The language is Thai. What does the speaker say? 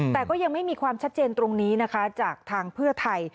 แต่ก็ยังไม่มีความชัดเจนตรงนี้นะคะจากทางเพื่อไทย